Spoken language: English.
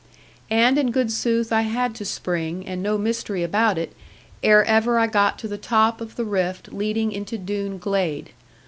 And, in good sooth, I had to spring, and no mystery about it, ere ever I got to the top of the rift leading into Doone glade.